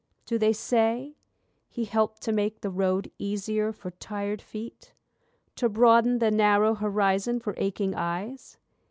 Do they say: 'He helped to make the road easier for tired feet? To broaden the narrow horizon for aching eyes?